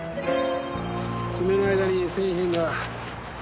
爪の間に繊維片が。